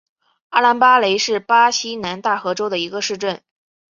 阿兰巴雷是巴西南大河州的一个市镇。